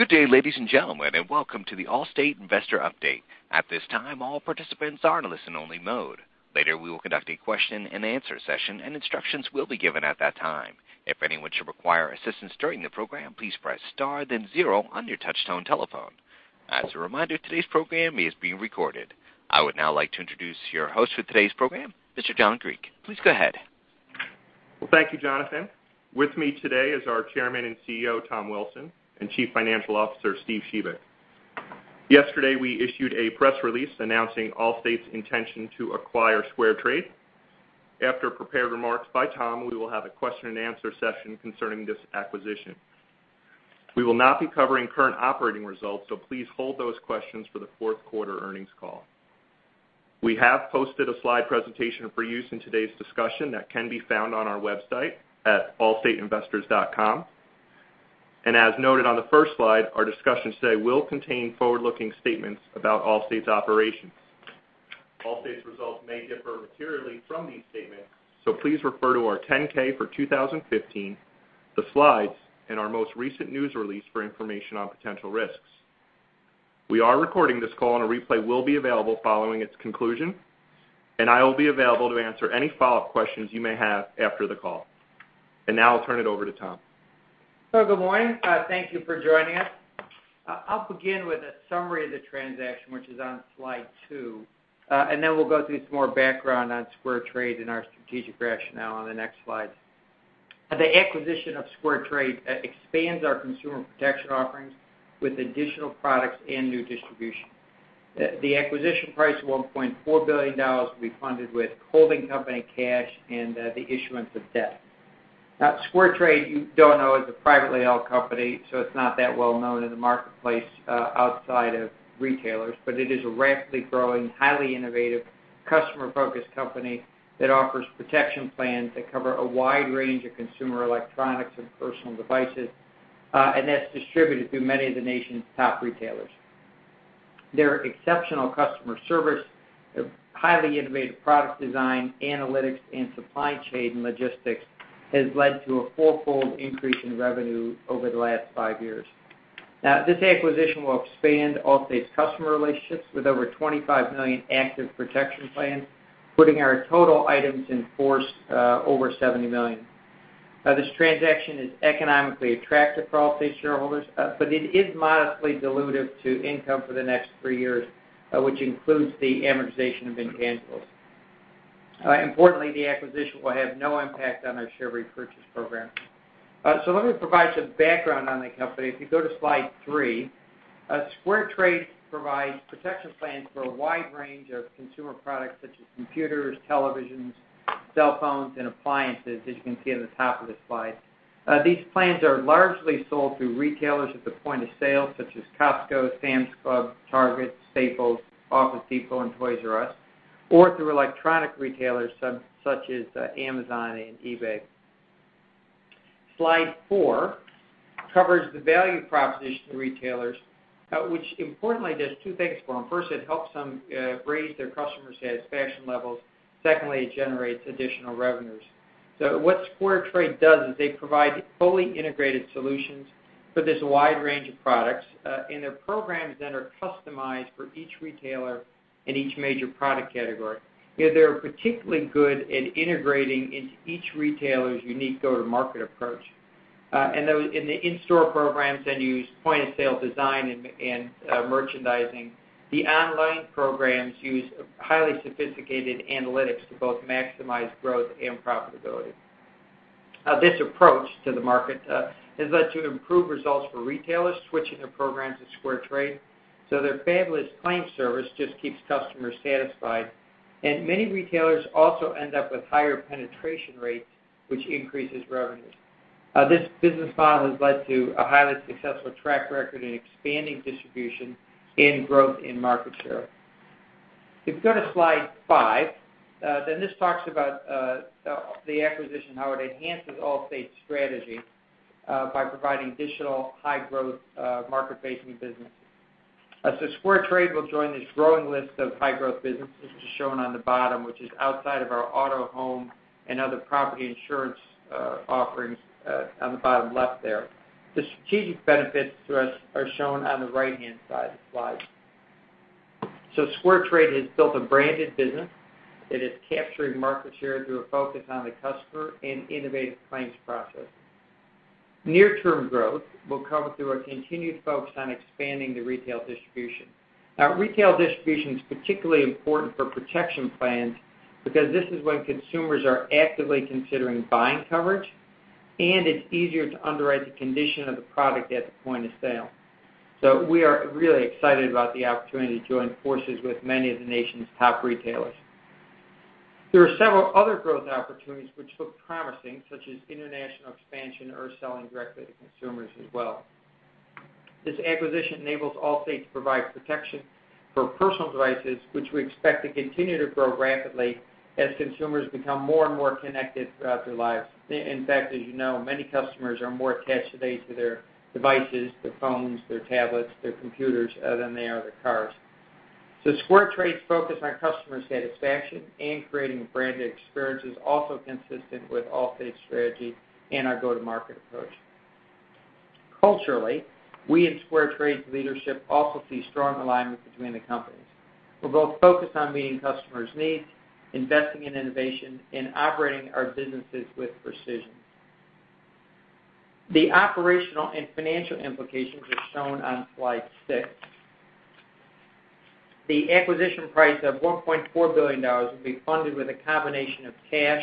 Good day, ladies and gentlemen, and welcome to the Allstate Investor Update. At this time, all participants are in listen only mode. Later, we will conduct a question and answer session, and instructions will be given at that time. If anyone should require assistance during the program, please press star then zero on your touchtone telephone. As a reminder, today's program is being recorded. I would now like to introduce your host for today's program, Mr. John Griek. Please go ahead. Well, thank you, Jonathan. With me today is our Chairman and CEO, Tom Wilson, and Chief Financial Officer, Steve Shebik. Yesterday, we issued a press release announcing Allstate's intention to acquire SquareTrade. After prepared remarks by Tom, we will have a question and answer session concerning this acquisition. We will not be covering current operating results, so please hold those questions for the fourth quarter earnings call. We have posted a slide presentation for use in today's discussion that can be found on our website at allstateinvestors.com. As noted on the first slide, our discussion today will contain forward-looking statements about Allstate's operations. Allstate's results may differ materially from these statements, so please refer to our 10-K for 2015, the slides, and our most recent news release for information on potential risks. We are recording this call, and a replay will be available following its conclusion, and I will be available to answer any follow-up questions you may have after the call. Now I'll turn it over to Tom. Good morning. Thank you for joining us. I'll begin with a summary of the transaction, which is on slide two, and then we'll go through some more background on SquareTrade and our strategic rationale on the next slides. The acquisition of SquareTrade expands our consumer protection offerings with additional products and new distribution. The acquisition price of $1.4 billion will be funded with holding company cash and the issuance of debt. SquareTrade, you don't know, is a privately held company, so it's not that well known in the marketplace outside of retailers. It is a rapidly growing, highly innovative, customer-focused company that offers protection plans that cover a wide range of consumer electronics and personal devices, and that's distributed through many of the nation's top retailers. Their exceptional customer service, highly innovative product design, analytics, and supply chain logistics has led to a fourfold increase in revenue over the last five years. This acquisition will expand Allstate's customer relationships with over $25 million active protection plans, putting our total items in force over $70 million. This transaction is economically attractive for Allstate shareholders, but it is modestly dilutive to income for the next three years, which includes the amortization of intangibles. Importantly, the acquisition will have no impact on our share repurchase program. Let me provide some background on the company. If you go to slide three, SquareTrade provides protection plans for a wide range of consumer products such as computers, televisions, cell phones, and appliances, as you can see at the top of the slide. These plans are largely sold through retailers at the point of sale, such as Costco, Sam's Club, Target, Staples, Office Depot, and Toys R Us, or through electronic retailers such as Amazon and eBay. Slide four covers the value proposition to retailers, which importantly does two things for them. First, it helps them raise their customers' satisfaction levels. Secondly, it generates additional revenues. What SquareTrade does is they provide fully integrated solutions for this wide range of products, and their programs then are customized for each retailer in each major product category. They are particularly good at integrating into each retailer's unique go-to-market approach. The in-store programs then use point-of-sale design and merchandising. The online programs use highly sophisticated analytics to both maximize growth and profitability. This approach to the market has led to improved results for retailers switching their programs to SquareTrade. Their fabulous claims service just keeps customers satisfied, and many retailers also end up with higher penetration rates, which increases revenues. This business model has led to a highly successful track record in expanding distribution and growth in market share. If you go to slide five, this talks about the acquisition, how it enhances Allstate's strategy by providing additional high-growth, market-facing businesses. SquareTrade will join this growing list of high-growth businesses, which is shown on the bottom, which is outside of our auto, home, and other property insurance offerings on the bottom left there. The strategic benefits to us are shown on the right-hand side of the slide. SquareTrade has built a branded business that is capturing market share through a focus on the customer and innovative claims processes. Near-term growth will come through a continued focus on expanding the retail distribution. Retail distribution is particularly important for protection plans because this is when consumers are actively considering buying coverage, and it's easier to underwrite the condition of the product at the point of sale. We are really excited about the opportunity to join forces with many of the nation's top retailers. There are several other growth opportunities which look promising, such as international expansion or selling directly to consumers as well. This acquisition enables Allstate to provide protection for personal devices, which we expect to continue to grow rapidly as consumers become more and more connected throughout their lives. In fact, as you know, many customers are more attached today to their devices, their phones, their tablets, their computers, than they are their cars. SquareTrade's focus on customer satisfaction and creating branded experiences also consistent with Allstate's strategy and our go-to-market approach. Culturally, we in SquareTrade's leadership also see strong alignment between the companies. We're both focused on meeting customers' needs, investing in innovation, and operating our businesses with precision. The operational and financial implications are shown on slide six. The acquisition price of $1.4 billion will be funded with a combination of cash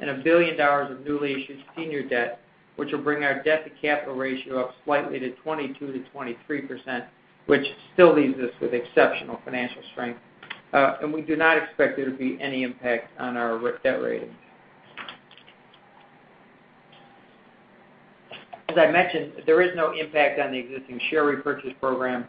and $1 billion of newly issued senior debt, which will bring our debt-to-capital ratio up slightly to 22%-23%, which still leaves us with exceptional financial strength. We do not expect there to be any impact on our debt ratings. As I mentioned, there is no impact on the existing share repurchase program.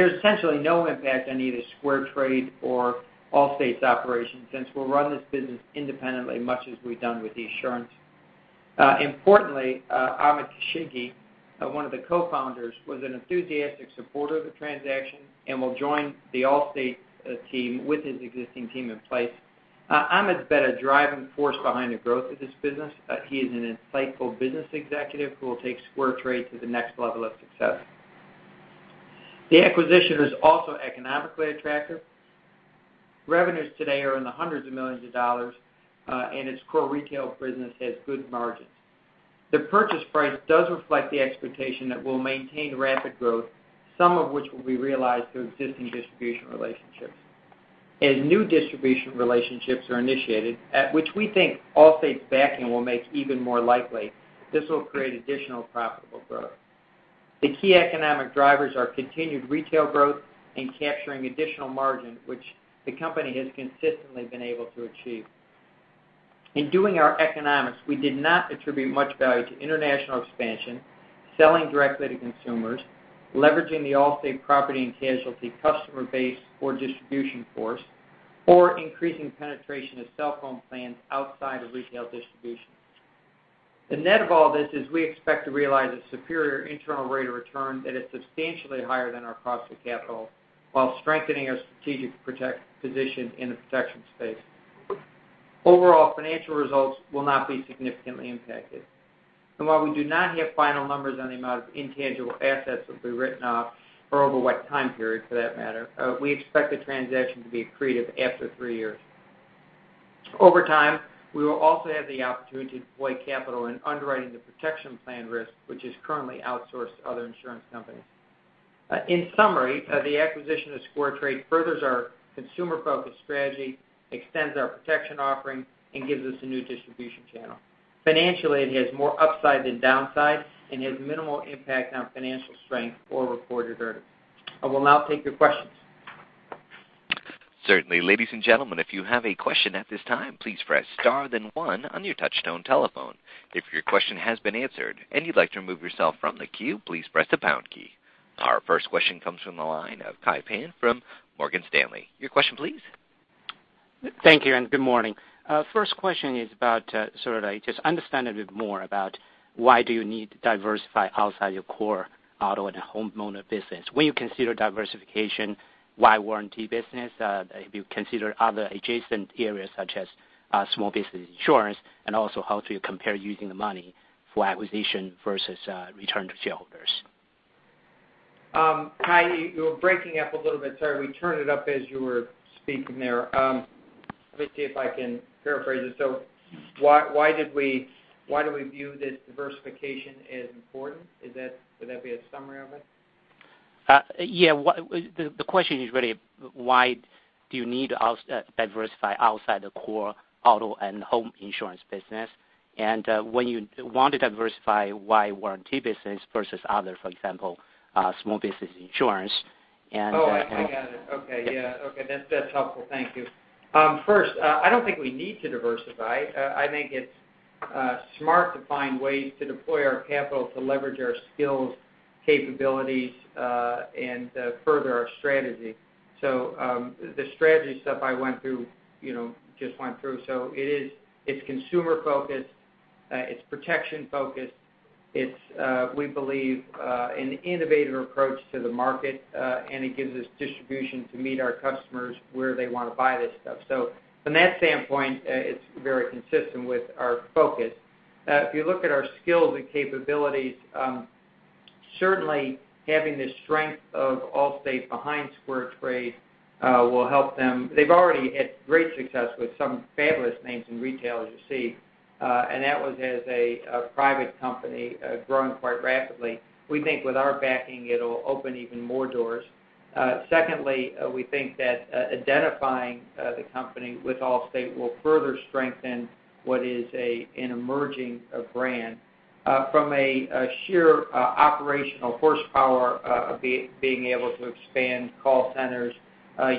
There's essentially no impact on either SquareTrade or Allstate's operations, since we'll run this business independently, much as we've done with Esurance. Importantly, Ahmed Khaishgi, one of the co-founders, was an enthusiastic supporter of the transaction and will join the Allstate team with his existing team in place. Ahmed's been a driving force behind the growth of this business. He is an insightful business executive who will take SquareTrade to the next level of success. The acquisition is also economically attractive. Revenues today are in the hundreds of millions of dollars, and its core retail business has good margins. The purchase price does reflect the expectation that we'll maintain rapid growth, some of which will be realized through existing distribution relationships. As new distribution relationships are initiated, at which we think Allstate's backing will make even more likely, this will create additional profitable growth. The key economic drivers are continued retail growth and capturing additional margin, which the company has consistently been able to achieve. In doing our economics, we did not attribute much value to international expansion, selling directly to consumers, leveraging the Allstate property and casualty customer base or distribution force, or increasing penetration of cell phone plans outside of retail distribution. The net of all this is we expect to realize a superior internal rate of return that is substantially higher than our cost of capital while strengthening our strategic position in the protection space. Overall financial results will not be significantly impacted. While we do not have final numbers on the amount of intangible assets that will be written off, or over what time period for that matter, we expect the transaction to be accretive after three years. Over time, we will also have the opportunity to deploy capital in underwriting the protection plan risk, which is currently outsourced to other insurance companies. In summary, the acquisition of SquareTrade furthers our consumer-focused strategy, extends our protection offering, and gives us a new distribution channel. Financially, it has more upside than downside and has minimal impact on financial strength or reported earnings. I will now take your questions. Certainly. Ladies and gentlemen, if you have a question at this time, please press star then one on your touch tone telephone. If your question has been answered and you'd like to remove yourself from the queue, please press the pound key. Our first question comes from the line of Kai Pan from Morgan Stanley. Your question please. Thank you. Good morning. First question is about, sort of just understand a bit more about why do you need to diversify outside your core auto and homeowner business? When you consider diversification, why warranty business? Have you considered other adjacent areas such as small business insurance? Also, how do you compare using the money for acquisition versus return to shareholders? Kai, you're breaking up a little bit. Sorry, we turned it up as you were speaking there. Let me see if I can paraphrase this. Why do we view this diversification as important? Would that be a summary of it? Yeah. The question is really why do you need to diversify outside the core auto and home insurance business? When you want to diversify, why warranty business versus others, for example, small business insurance. Oh, I got it. Okay. Yeah. Okay. That's helpful. Thank you. First, I don't think we need to diversify. I think it's smart to find ways to deploy our capital to leverage our skills, capabilities, and to further our strategy. The strategy stuff I just went through. It's consumer focused, it's protection focused. It's, we believe, an innovative approach to the market, and it gives us distribution to meet our customers where they want to buy this stuff. From that standpoint, it's very consistent with our focus. If you look at our skills and capabilities, certainly having the strength of Allstate behind SquareTrade will help them. They've already had great success with some fabulous names in retail, as you see. That was as a private company, growing quite rapidly. We think with our backing, it'll open even more doors. Secondly, we think that identifying the company with Allstate will further strengthen what is an emerging brand. From a sheer operational horsepower of being able to expand call centers,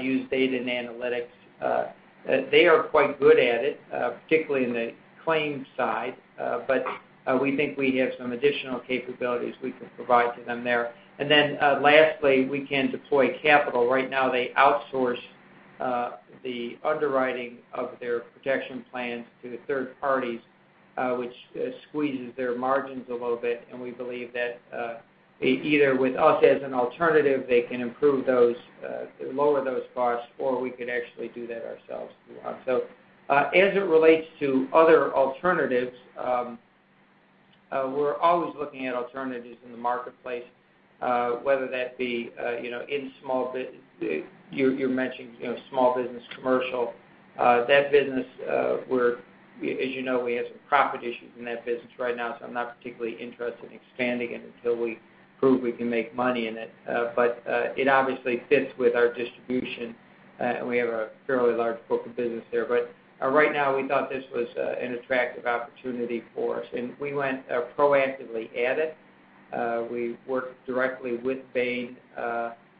use data and analytics, they are quite good at it, particularly in the claims side. We think we have some additional capabilities we can provide to them there. Lastly, we can deploy capital. Right now they outsource the underwriting of their protection plans to third parties, which squeezes their margins a little bit. We believe that either with us as an alternative, they can lower those costs, or we could actually do that ourselves through them. As it relates to other alternatives, we're always looking at alternatives in the marketplace, whether that be in small business. You mentioned small business commercial. That business, as you know, we have some profit issues in that business right now, so I'm not particularly interested in expanding it until we prove we can make money in it. It obviously fits with our distribution, and we have a fairly large book of business there. Right now, we thought this was an attractive opportunity for us, and we went proactively at it. We worked directly with Bain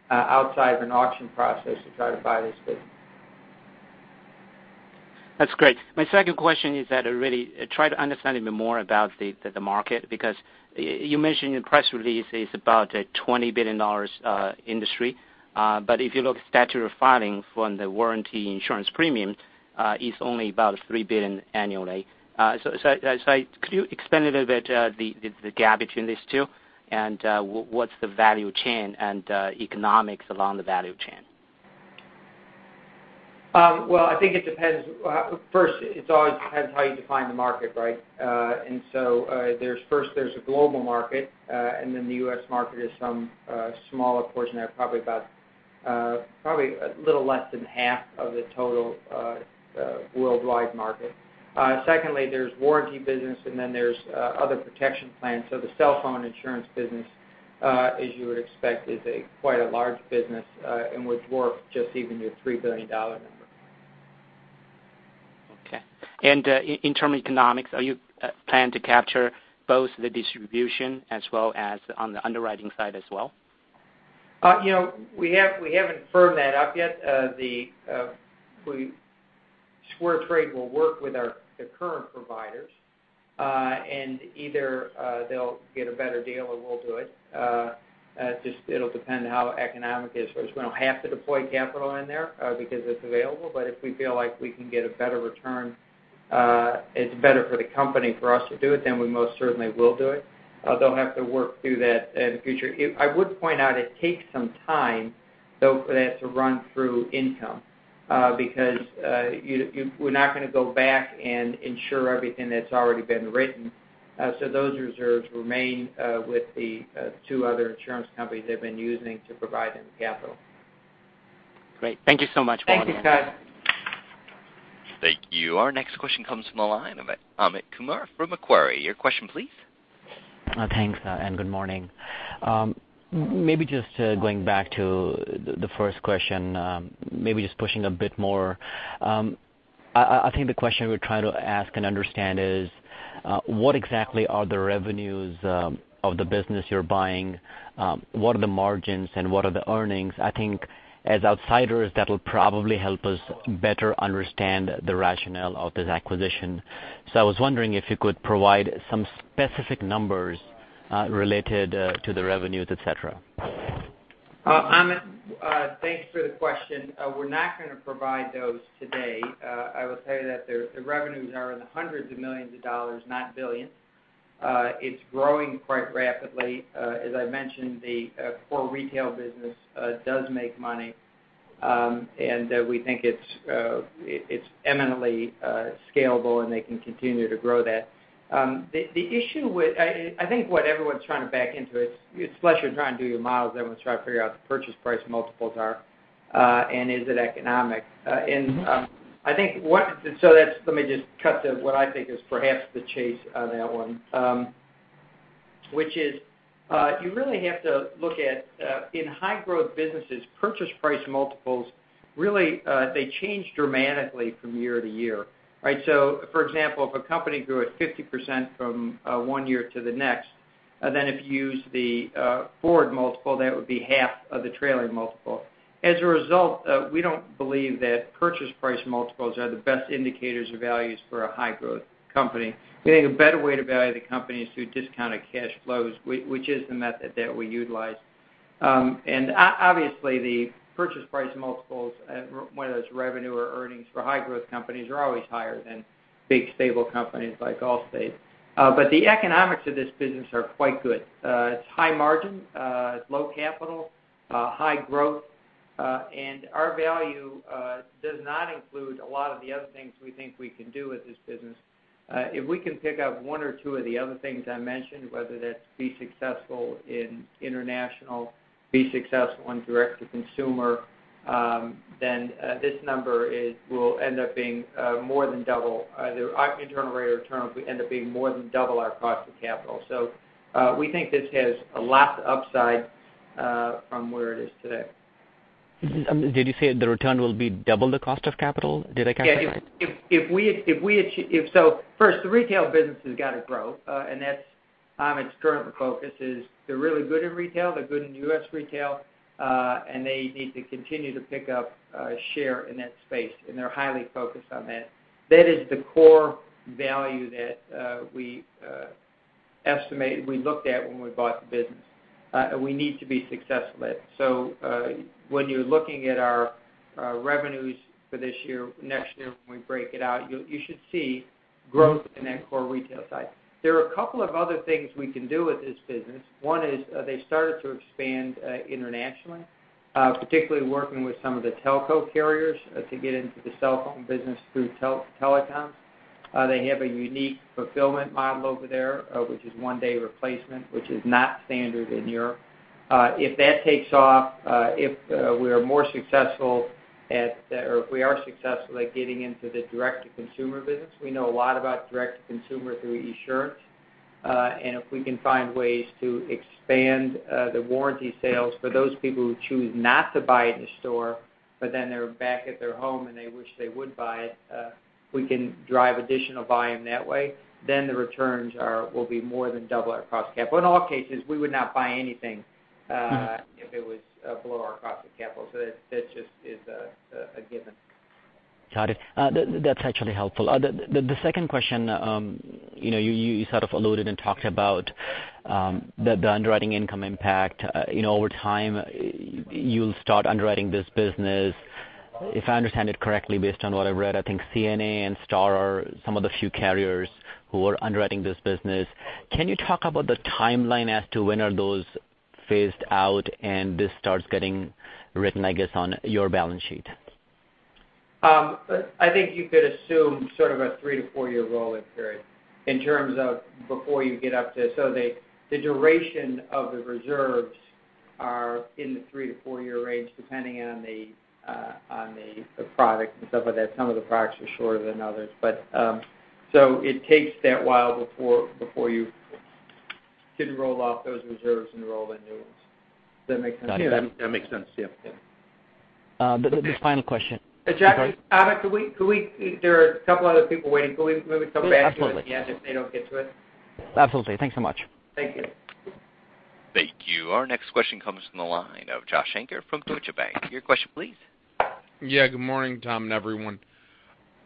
outside of an auction process to try to buy this business. That's great. My second question is that I really try to understand even more about the market, because you mentioned your press release is about a $20 billion industry. If you look at statutory filings from the warranty insurance premium, it's only about $3 billion annually. Could you explain a little bit the gap between these two, and what's the value chain and economics along the value chain? Well, I think it depends. First, it always depends how you define the market, right? First there's a global market, and then the U.S. market is some smaller portion there, probably a little less than half of the total worldwide market. Secondly, there's warranty business, and then there's other protection plans. The cell phone insurance business, as you would expect, is quite a large business and would dwarf just even your $3 billion number. Okay. In term of economics, are you planning to capture both the distribution as well as on the underwriting side as well? We haven't firmed that up yet. SquareTrade will work with the current providers, either they'll get a better deal or we'll do it. It'll depend how economic it is for us. We don't have to deploy capital in there because it's available, if we feel like we can get a better return, it's better for the company for us to do it, we most certainly will do it. They'll have to work through that in the future. I would point out it takes some time, though, for that to run through income because we're not going to go back and insure everything that's already been written. Those reserves remain with the two other insurance companies they've been using to provide them capital. Great. Thank you so much, Thomas J. Wilson. Thank you, Kai Pan. Thank you. Our next question comes from the line of Amit Kumar from Macquarie. Your question, please. Thanks. Good morning. Maybe just going back to the first question, maybe just pushing a bit more. I think the question we're trying to ask and understand is, what exactly are the revenues of the business you're buying? What are the margins and what are the earnings? I think as outsiders, that'll probably help us better understand the rationale of this acquisition. I was wondering if you could provide some specific numbers related to the revenues, et cetera. Amit, thanks for the question. We're not going to provide those today. I will tell you that the revenues are in the $hundreds of millions, not $billions. It's growing quite rapidly. As I mentioned, the core retail business does make money, and we think it's eminently scalable, and they can continue to grow that. I think what everyone's trying to back into is, plus you're trying to do your models, everyone's trying to figure out what the purchase price multiples are and is it economic. Let me just cut to what I think is perhaps the chase on that one, which is you really have to look at, in high growth businesses, purchase price multiples, really, they change dramatically from year to year, right? For example, if a company grew at 50% from one year to the next, then if you use the forward multiple, that would be half of the trailing multiple. As a result, we don't believe that purchase price multiples are the best indicators of values for a high growth company. We think a better way to value the company is through discounted cash flows, which is the method that we utilize. Obviously the purchase price multiples, whether it's revenue or earnings for high growth companies, are always higher than big stable companies like Allstate. The economics of this business are quite good. It's high margin, it's low capital, high growth, and our value does not include a lot of the other things we think we can do with this business. If we can pick up one or two of the other things I mentioned, whether that's be successful in international, be successful in direct to consumer, then this number will end up being more than double. The internal rate of return will end up being more than double our cost of capital. We think this has a lot of upside from where it is today. Did you say the return will be double the cost of capital? Did I capture that right? Yeah. First, the retail business has got to grow. That's Amit's current focus is they're really good in retail, they're good in U.S. retail, and they need to continue to pick up share in that space, and they're highly focused on that. That is the core value that we estimate we looked at when we bought the business, and we need to be successful at it. When you're looking at our revenues for this year, next year, when we break it out, you should see growth in that core retail side. There are two other things we can do with this business. One is they started to expand internationally, particularly working with some of the telco carriers to get into the cell phone business through telecoms. They have a unique fulfillment model over there, which is one-day replacement, which is not standard in Europe. If that takes off, if we are successful at getting into the direct-to-consumer business, we know a lot about direct-to-consumer through Esurance. If we can find ways to expand the protection plans sales for those people who choose not to buy it in store, but then they're back at their home and they wish they would buy it, we can drive additional volume that way. The returns will be more than double our cost of capital. In all cases, we would not buy anything if it was below our cost of capital. That just is a given. Got it. That's actually helpful. The second question, you sort of alluded and talked about the underwriting income impact. Over time, you'll start underwriting this business. If I understand it correctly, based on what I've read, I think CNA and Starr are some of the few carriers who are underwriting this business. Can you talk about the timeline as to when are those phased out and this starts getting written, I guess, on your balance sheet? I think you could assume sort of a three- to four-year rolling period in terms of before you get up to. The duration of the reserves are in the three- to four-year range, depending on the product and stuff like that. Some of the products are shorter than others. Does that make sense? Got it. That makes sense. Yeah. Just final question. Jack, Amit, there are a couple other people waiting. Can we come back to you? Yeah, absolutely. if they don't get to it? Absolutely. Thanks so much. Thank you. Thank you. Our next question comes from the line of Joshua Shanker from Deutsche Bank. Your question please. Yeah. Good morning, Tom, and everyone.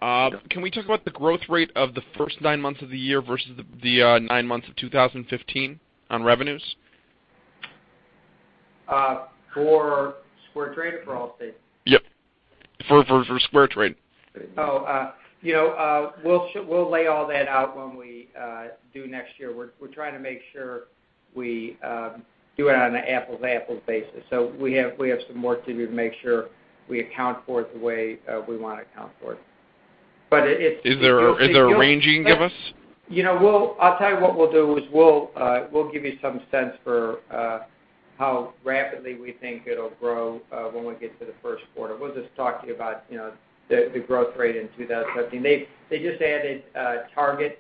Good morning. Can we talk about the growth rate of the first nine months of the year versus the nine months of 2015 on revenues? For SquareTrade or for Allstate? Yep. For SquareTrade. We'll lay all that out when we do next year. We're trying to make sure we do it on an apples-to-apples basis. We have some work to do to make sure we account for it the way we want to account for it. Is there a range you can give us? I'll tell you what we'll do is we'll give you some sense for how rapidly we think it'll grow when we get to the first quarter. We'll just talk to you about the growth rate in 2017. They just added Target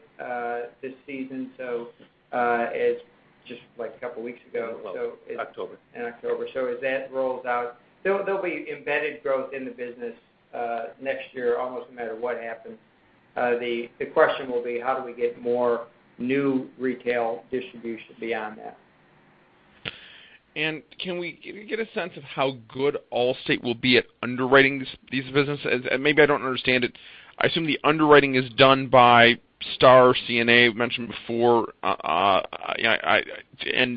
this season, just a couple of weeks ago. In October. In October. As that rolls out, there'll be embedded growth in the business next year, almost no matter what happens. The question will be how do we get more new retail distribution beyond that? Can we get a sense of how good Allstate will be at underwriting these businesses? Maybe I don't understand it. I assume the underwriting is done by Starr or CNA, mentioned before, and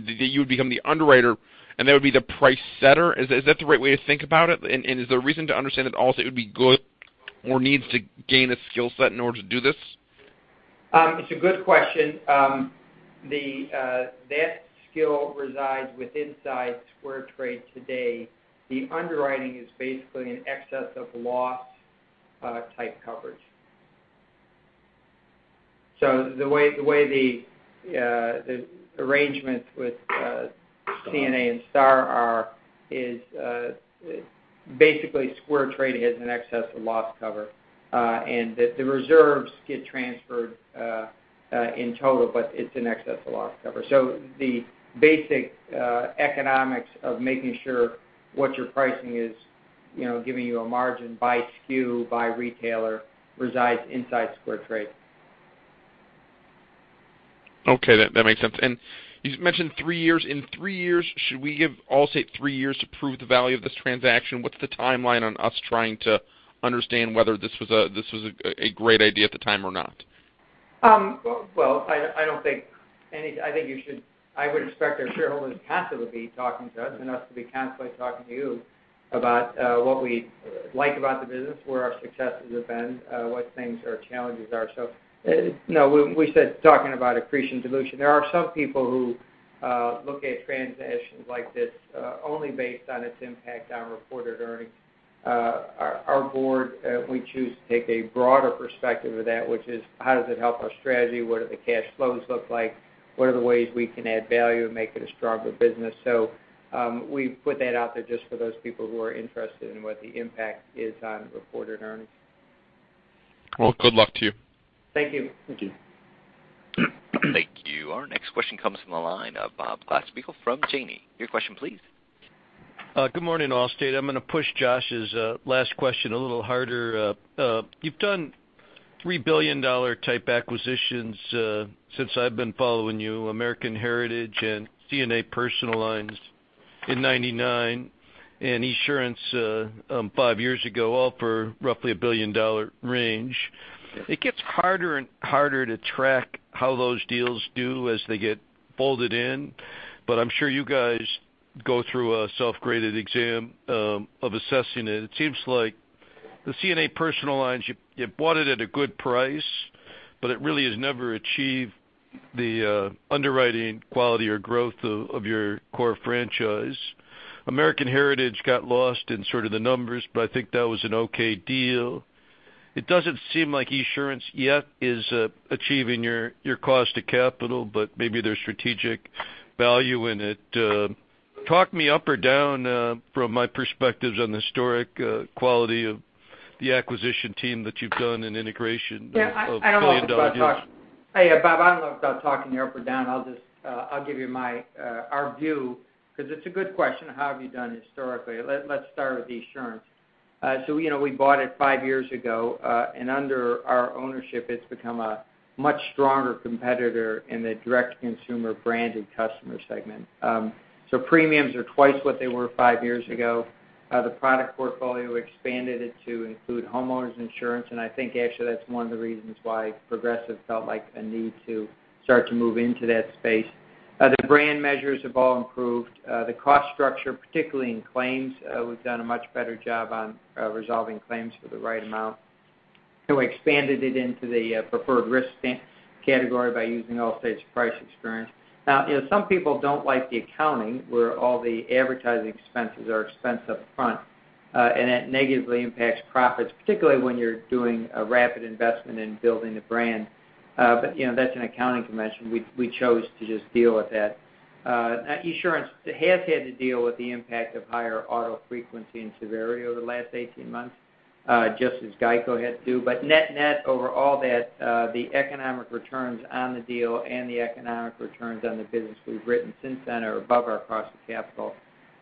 that you would become the underwriter, and that would be the price setter. Is that the right way to think about it? Is the reason to understand that Allstate would be good or needs to gain a skill set in order to do this? It's a good question. That skill resides with inside SquareTrade today. The underwriting is basically an excess of loss type coverage. The way the arrangements with CNA and Starr are is basically SquareTrade has an excess of loss cover, and that the reserves get transferred in total, but it's an excess of loss cover. The basic economics of making sure what your pricing is, giving you a margin by SKU, by retailer, resides inside SquareTrade. Okay. That makes sense. You mentioned three years. In three years, should we give Allstate three years to prove the value of this transaction? What's the timeline on us trying to understand whether this was a great idea at the time or not? Well, I would expect our shareholders passively talking to us and us to be constantly talking to you about what we like about the business, where our successes have been, what things our challenges are. When we said talking about accretion dilution, there are some people who look at transactions like this only based on its impact on reported earnings. Our board, we choose to take a broader perspective of that, which is how does it help our strategy? What do the cash flows look like? What are the ways we can add value and make it a stronger business? We put that out there just for those people who are interested in what the impact is on reported earnings. Well, good luck to you. Thank you. Thank you. Our next question comes from the line of Bob Glasspiegel from Janney. Your question please. Good morning, Allstate. I'm going to push Josh's last question a little harder. You've done $3 billion type acquisitions since I've been following you, American Heritage and CNA Personal Lines in 1999, Esurance five years ago, all for roughly a billion-dollar range. It gets harder and harder to track how those deals do as they get folded in, but I'm sure you guys go through a self-graded exam of assessing it. It seems like the CNA Personal Lines, you bought it at a good price, but it really has never achieved the underwriting quality or growth of your core franchise. American Heritage got lost in sort of the numbers, but I think that was an okay deal. It doesn't seem like Esurance yet is achieving your cost of capital, but maybe there's strategic value in it. Talk me up or down from my perspectives on the historic quality of the acquisition team that you've done in integration of billion-dollar deals. Hey, Bob, I don't know about talking you up or down. I'll give you our view, because it's a good question, how have you done historically? Let start with Esurance. We bought it five years ago, and under our ownership, it's become a much stronger competitor in the direct-to-consumer branded customer segment. Premiums are twice what they were five years ago. The product portfolio expanded it to include homeowners insurance, and I think actually that's one of the reasons why Progressive felt like a need to start to move into that space. The brand measures have all improved. The cost structure, particularly in claims, we've done a much better job on resolving claims for the right amount. We expanded it into the preferred risk category by using Allstate's price experience. Some people don't like the accounting, where all the advertising expenses are expensed up front, that negatively impacts profits, particularly when you're doing a rapid investment in building a brand. That's an accounting convention. We chose to just deal with that. Esurance has had to deal with the impact of higher auto frequency and severity over the last 18 months, just as GEICO had to. Net-net, over all that, the economic returns on the deal and the economic returns on the business we've written since then are above our cost of capital.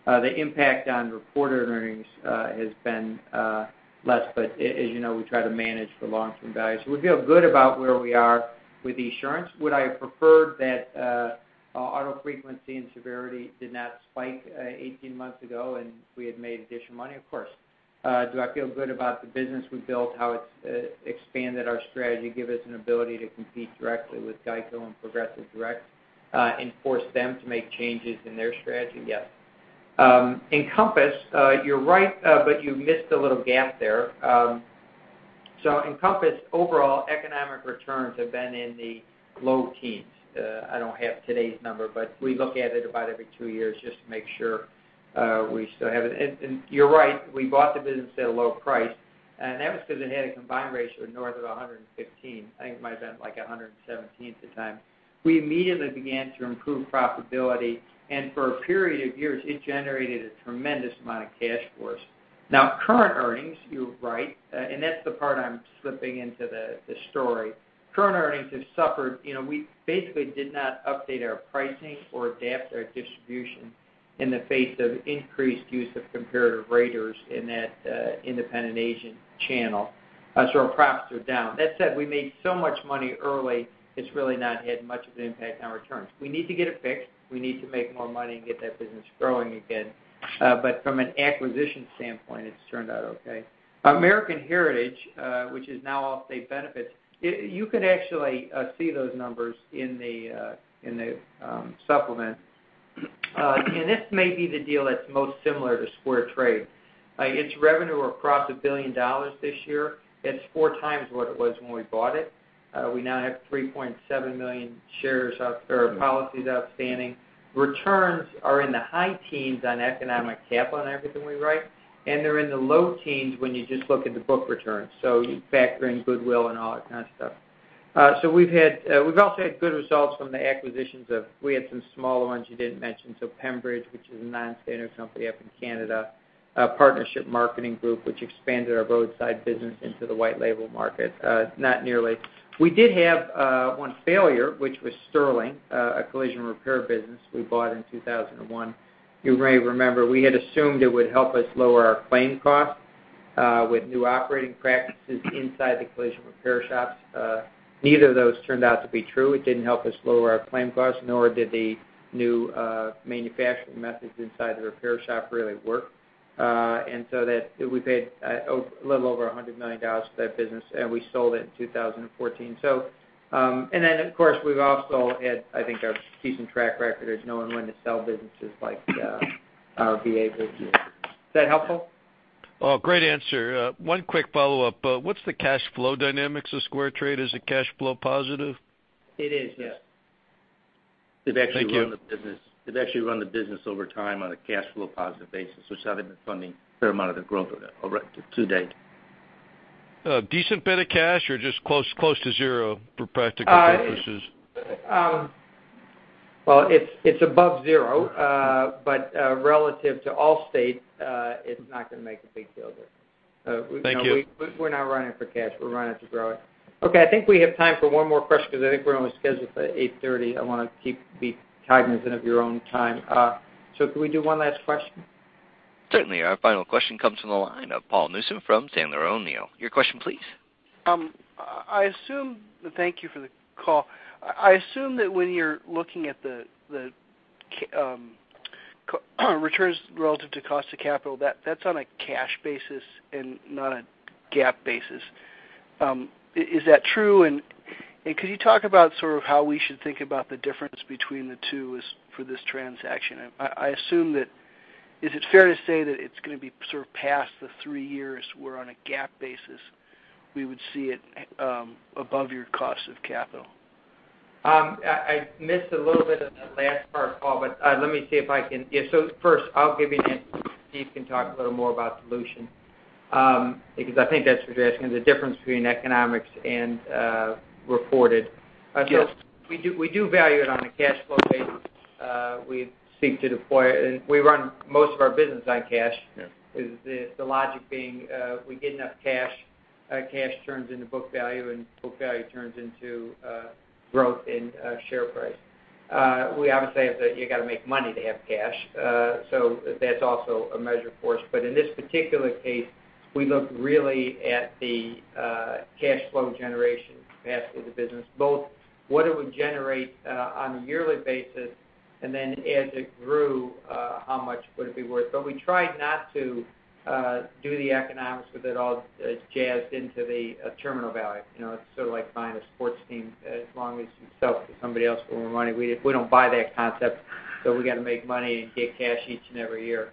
The impact on reported earnings has been less, but as you know, we try to manage for long-term value. We feel good about where we are with Esurance. Would I have preferred that auto frequency and severity did not spike 18 months ago and we had made additional money? Of course. Do I feel good about the business we built, how it's expanded our strategy, give us an ability to compete directly with GEICO and Progressive direct, force them to make changes in their strategy? Yes. Encompass, you're right, you missed a little gap there. Encompass, overall economic returns have been in the low teens. I don't have today's number, but we look at it about every two years just to make sure we still have it. You're right, we bought the business at a low price, that was because it had a combined ratio of north of 115. I think it might have been like 117 at the time. We immediately began to improve profitability, for a period of years, it generated a tremendous amount of cash for us. Current earnings, you're right, that's the part I'm slipping into the story. Current earnings have suffered. We basically did not update our pricing or adapt our distribution in the face of increased use of comparative raters in that independent agent channel. Our profits are down. That said, we made so much money early, it's really not had much of an impact on returns. We need to get it fixed. We need to make more money and get that business growing again. From an acquisition standpoint, it's turned out okay. American Heritage, which is now Allstate Benefits, you can actually see those numbers in the supplement. This may be the deal that's most similar to SquareTrade. Its revenue across $1 billion this year. It's four times what it was when we bought it. We now have 3.7 million shares or policies outstanding. Returns are in the high teens on economic capital on everything we write, they're in the low teens when you just look at the book returns, you factor in goodwill and all that kind of stuff. We've also had good results from the acquisitions of, we had some smaller ones you didn't mention, Pembridge, which is a non-standard company up in Canada. Partnership Marketing Group, which expanded our roadside business into the white label market. Not nearly. We did have one failure, which was Sterling, a collision repair business we bought in 2001. You may remember, we had assumed it would help us lower our claim costs with new operating practices inside the collision repair shops. Neither of those turned out to be true. It didn't help us lower our claim costs, nor did the new manufacturing methods inside the repair shop really work. That we paid a little over $109 for that business, we sold it in 2014. Of course, we've also had, I think, our decent track record is knowing when to sell businesses like our VA business. Is that helpful? Great answer. One quick follow-up. What's the cash flow dynamics of SquareTrade? Is it cash flow positive? It is, yes. Thank you. They've actually run the business over time on a cash flow positive basis, which has been funding a fair amount of the growth of it to date. A decent bit of cash or just close to zero for practical purposes? Well, it's above zero, but relative to Allstate, it's not going to make a big deal there. Thank you. We're not running it for cash. We're running it to grow it. I think we have time for one more question because I think we're only scheduled for 8:30 A.M. I want to keep the cognizant of your own time. Can we do one last question? Certainly. Our final question comes from the line of Paul Newsome from Sandler O'Neill. Your question, please. Thank you for the call. I assume that when you're looking at the returns relative to cost of capital, that's on a cash basis and not a GAAP basis. Is that true? Could you talk about how we should think about the difference between the two for this transaction? Is it fair to say that it's going to be past the three years, where on a GAAP basis, we would see it above your cost of capital? I missed a little bit of that last part, Paul. First, I'll give you an answer. Steve can talk a little more about dilution. I think that's what you're asking, the difference between economics and reported. Yes. We do value it on a cash flow basis. We seek to deploy it, and we run most of our business on cash. Yes. The logic being, we get enough cash turns into book value, and book value turns into growth in share price. You got to make money to have cash. That's also a measure for us. In this particular case, we look really at the cash flow generation capacity of the business. Both what it would generate on a yearly basis, and then as it grew, how much would it be worth? We tried not to do the economics with it all jazzed into the terminal value. It's sort of like buying a sports team. As long as you sell it to somebody else for more money. We don't buy that concept. We got to make money and get cash each and every year.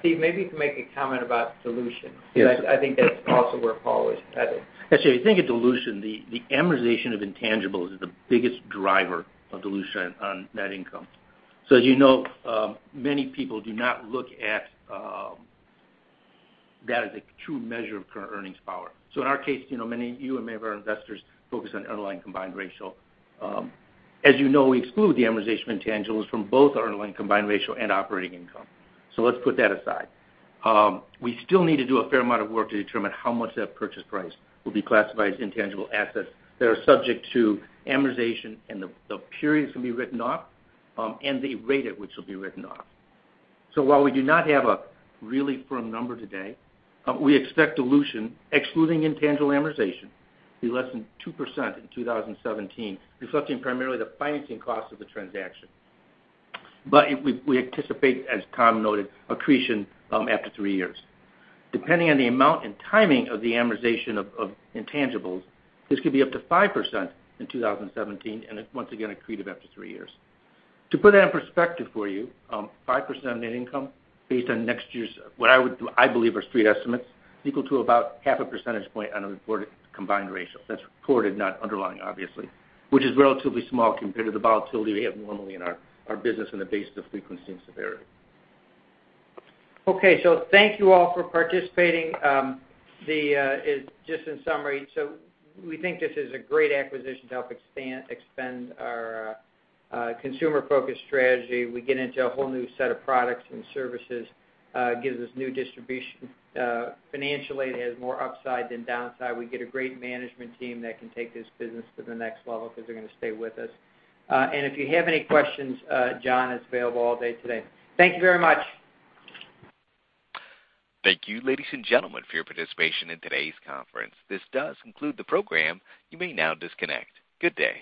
Steve, maybe you can make a comment about dilution. Yes. I think that's also where Paul is headed. Actually, when you think of dilution, the amortization of intangibles is the biggest driver of dilution on net income. As you know, many people do not look at that as a true measure of current earnings power. In our case, you and many of our investors focus on underlying combined ratio. As you know, we exclude the amortization intangibles from both our underlying combined ratio and operating income. Let's put that aside. We still need to do a fair amount of work to determine how much that purchase price will be classified as intangible assets that are subject to amortization and the periods can be written off, and the rate at which it'll be written off. While we do not have a really firm number today, we expect dilution, excluding intangible amortization, to be less than 2% in 2017, reflecting primarily the financing cost of the transaction. We anticipate, as Tom noted, accretion after three years. Depending on the amount and timing of the amortization of intangibles, this could be up to 5% in 2017, and once again, accretive after three years. To put that in perspective for you, 5% net income based on next year's, what I believe are street estimates, equal to about half a percentage point on a reported combined ratio. That's reported, not underlying, obviously. Which is relatively small compared to the volatility we have normally in our business on the basis of frequency and severity. Okay. Thank you all for participating. Just in summary, we think this is a great acquisition to help expand our consumer-focused strategy. We get into a whole new set of products and services. Gives us new distribution. Financially, it has more upside than downside. We get a great management team that can take this business to the next level because they're going to stay with us. If you have any questions, John is available all day today. Thank you very much. Thank you, ladies and gentlemen, for your participation in today's conference. This does conclude the program. You may now disconnect. Good day.